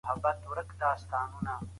سونې ده چي سياسي کړني پر عامه غولوني واوړي.